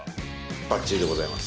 ばっちりでございます。